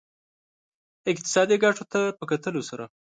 اقتصادي ګټو ته په کتلو سره.